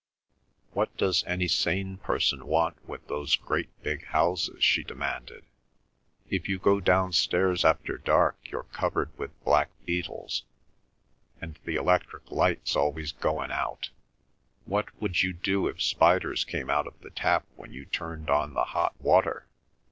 "What does any sane person want with those great big houses?" she demanded. "If you go downstairs after dark you're covered with black beetles, and the electric lights always goin' out. What would you do if spiders came out of the tap when you turned on the hot water?"